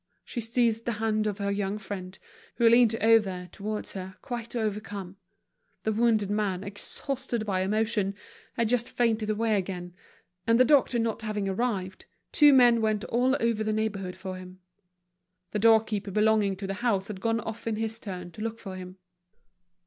She seized the hand of her young friend, who leant over towards her quite overcome. The wounded man, exhausted by emotion, had just fainted away again; and the doctor not having arrived, two men went all over the neighborhood for him. The doorkeeper belonging to the house had gone off in his turn to look for him.